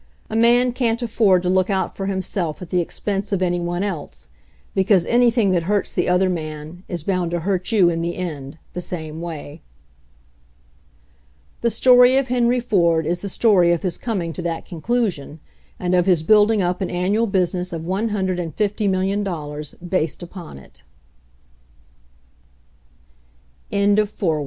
A man can't afford to look out for himself at the expense of any one else, because anything that hurts the other man is bound to hurt you in the end, the same way." The story of Henry Ford is the story of his coming to that conclusion, and of his building up an annual business of